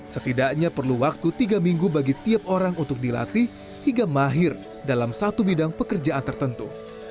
setidaknya perlu waktu tiga minggu bagi tiap orang untuk dilatih hingga mahir dalam satu bidang pekerjaan tertentu